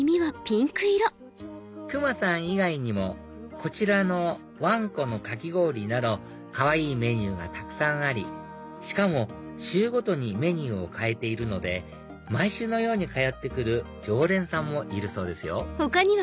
クマさん以外にもこちらのわんこのかき氷などかわいいメニューがたくさんありしかも週ごとにメニューを替えているので毎週のように通って来る常連さんもいるそうですよ